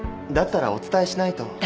だったらお伝えしないと。